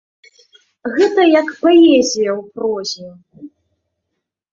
Гэта як паэзія ў прозе.